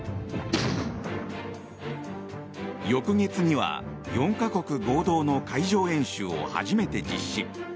翌月には４か国合同の海上演習を初めて実施。